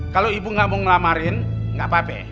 kalau ibu nggak mau ngelamarin nggak apa apa